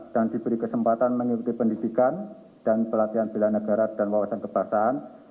dan diberi kesempatan mengikuti pendidikan dan pelatihan bela negara dan wawasan kebangsaan